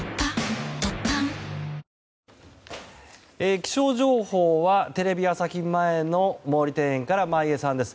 気象情報はテレビ朝日前の毛利庭園から眞家さんです。